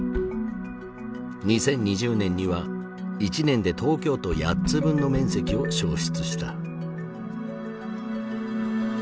２０２０年には１年で東京都８つ分の面積を焼失した。